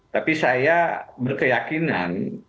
tapi saya berkeyakinan